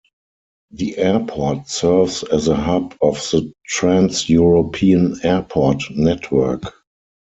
The airport serves as a hub of the trans-European airport network.